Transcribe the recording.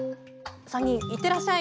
３人いってらっしゃい。